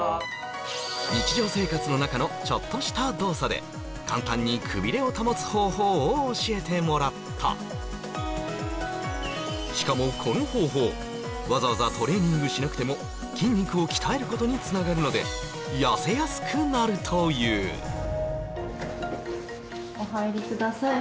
日常生活の中のちょっとした動作で簡単にくびれを保つ方法を教えてもらったしかもこの方法わざわざトレーニングしなくても筋肉を鍛えることにつながるので痩せやすくなるというお入りください